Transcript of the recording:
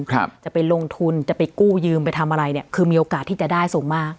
ครับจะไปลงทุนจะไปกู้ยืมไปทำอะไรเนี้ยคือมีโอกาสที่จะได้สูงมาก